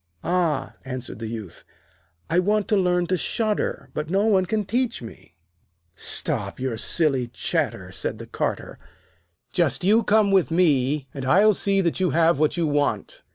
'Ah,' answered the Youth, 'I want to learn to shudder, but no one can teach me.' 'Stop your silly chatter,' said the Carter. 'Just you come with me, and I'll see that you have what you want.'